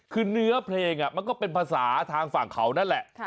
คือเนื้อเพลงมันก็เป็นภาษาทางฝั่งเขานั่นแหละ